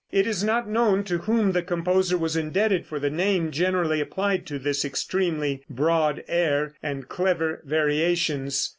It is not known to whom the composer was indebted for the name generally applied to this extremely broad air, and clever variations.